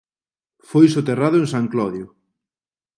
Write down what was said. Foi soterrado en San Clodio.